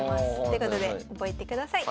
ということで覚えてください。